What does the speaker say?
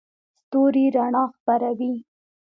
ستوري رڼا خپروي.